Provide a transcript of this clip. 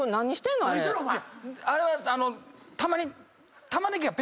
あれはたまに。